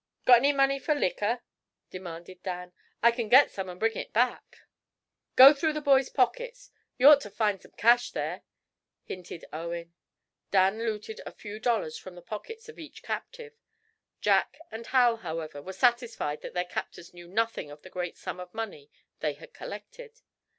"Got any money for licker?" demanded Dan. "I can git some an' bring it back." "Go through the boys' pockets. Ye ought to find some cash there," hinted Owen. Dan looted a few dollars from the pockets of each captive. Jack and Hal, however, were satisfied that their captors knew nothing of the great sum of money they had collected.